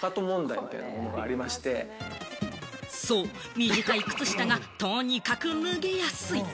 短い靴下がとにかく脱げやすい。